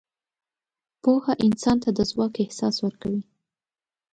پوهه انسان ته د ځواک احساس ورکوي.